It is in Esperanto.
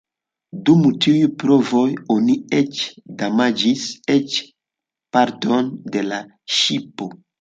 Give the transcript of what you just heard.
Dum tiuj provoj oni eĉ damaĝis eĉ partojn de la ŝipo.